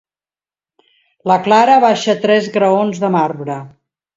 La Clara baixa tres graons de marbre.